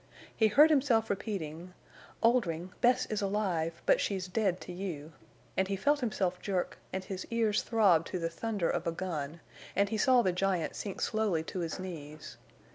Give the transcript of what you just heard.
He heard himself repeating: "Oldring, Bess is alive! But she's dead to you," and he felt himself jerk, and his ears throbbed to the thunder of a gun, and he saw the giant sink slowly to his knees.